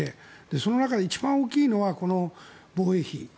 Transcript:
その中で一番大きいのは防衛費。